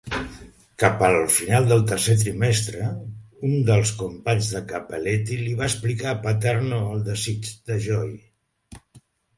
Cap al final del tercer trimestre, un dels companys de Cappelletti li va explicar a Paterno el desig de Joey.